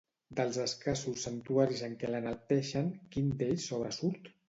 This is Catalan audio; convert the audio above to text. Dels escassos santuaris en què l'enalteixen, quin d'ells sobresurt?